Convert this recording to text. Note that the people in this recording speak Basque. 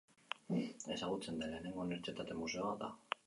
Ezagutzen den lehenengo unibertsitate museoa da.